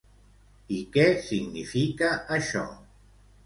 I què significa això?